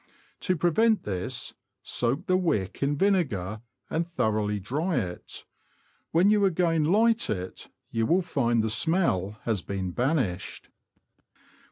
To prevent this, soak the w^ick in vinegar and thoroughly dry it ; when you again light it, you will find the smell has been banished.